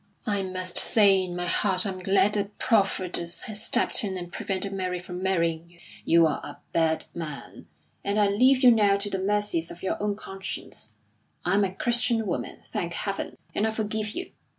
"I must say in my heart I'm glad that Providence has stepped in and prevented Mary from marrying you. You are a bad man. And I leave you now to the mercies of your own conscience; I am a Christian woman, thank Heaven! and I forgive you.